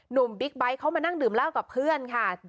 บิ๊กไบท์เขามานั่งดื่มเหล้ากับเพื่อนค่ะ